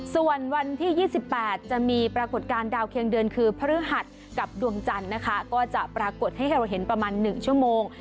ส่วนวันที่๒๘จะมีปรากฏการณ์ดาวเคียงเดือนคือพฤหัสกับดวงจันทร์นะคะก็จะปรากฏให้เราเห็นประมาณ๑ชั่วโมง